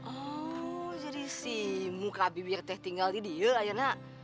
oh jadi si muka bibir teh tinggal di dia aja nak